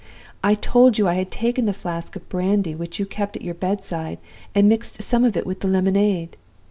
'I told you I had taken the flask of brandy which you kept at your bedside, and mixed some of it with the lemonade.